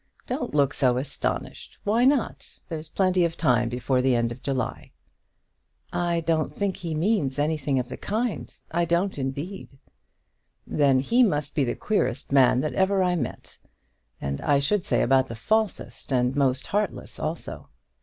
Don't look so astonished. Why not? There's plenty of time before the end of July." "I don't think he means anything of the kind; I don't indeed." "Then he must be the queerest man that ever I met; and I should say about the falsest and most heartless also.